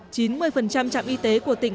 chín mươi trạm y tế của tỉnh